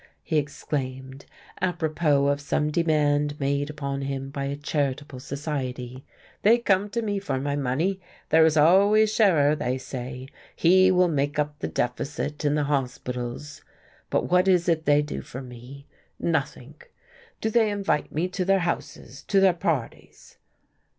he exclaimed, apropos of some demand made upon him by a charitable society. "They come to me for my money there is always Scherer, they say. He will make up the deficit in the hospitals. But what is it they do for me? Nothing. Do they invite me to their houses, to their parties?"